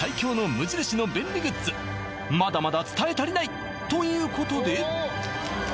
まだまだ伝え足りない！ということで！